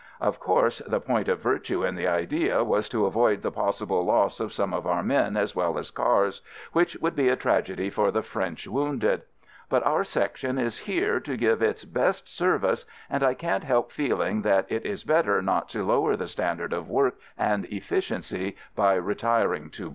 Of course the point of virtue in the idea was to avoid the possible loss of some of our men as well as cars — which would be a tragedy for the French wounded. But our Section is here to give its best service and I can't help feeling that it is better not to lower the standard of work and effi ciency by retiring to